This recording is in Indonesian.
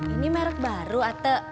ini merek baru ate